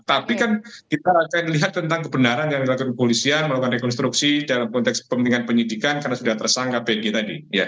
tapi kan kita akan lihat tentang kebenaran yang dilakukan kepolisian melakukan rekonstruksi dalam konteks kepentingan penyidikan karena sudah tersangka pg tadi